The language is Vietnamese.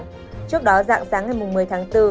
trước đó dạng sáng ngày một mươi tháng bốn